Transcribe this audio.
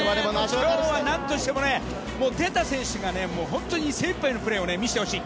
今日は何としてもね、出た選手が本当に精いっぱいのプレーを見せてほしい。